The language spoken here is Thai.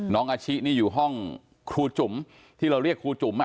น้องอาชินี่อยู่ห้องครูจุ๋มที่เราเรียกครูจุ๋ม